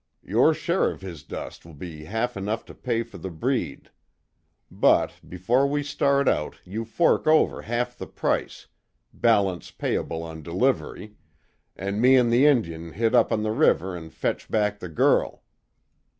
Your share of his dust will be half enough to pay fer the breed. But, before we start out you fork over half the price balance payable on delivery, an' me an' the Injun'll hit on up the river an' fetch back the girl.